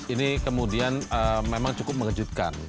ini kemudian memang cukup mengejutkan